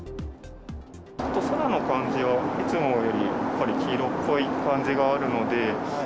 空の感じはいつもよりやっぱり、黄色っぽい感じがあるので。